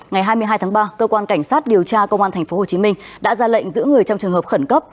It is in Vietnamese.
ngày hai mươi hai tháng ba cơ quan cảnh sát điều tra công an tp hcm đã ra lệnh giữ người trong trường hợp khẩn cấp